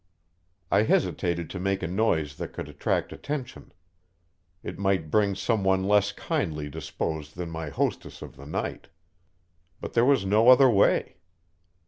I hesitated to make a noise that could attract attention. It might bring some one less kindly disposed than my hostess of the night. But there was no other way.